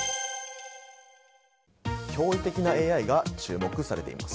驚異的なＡＩが注目されています。